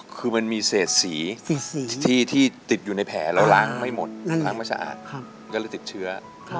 คือมันมีเสียดสีที่ติดอยู่ในแผลเราล้างไม่หมดก็เลยติดเชื้อ